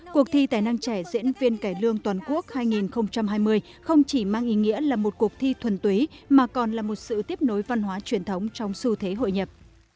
cuộc thi tài năng trẻ diễn viên cải lương toàn quốc hai nghìn hai mươi không chỉ mang ý nghĩa là một cuộc thi thuần túy mà còn là một sự tiếp nối văn hóa truyền thống trong xu thế hội nhập